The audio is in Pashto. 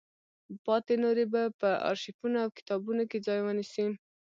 پاتې نورې به په ارشیفونو او کتابونو کې ځای ونیسي.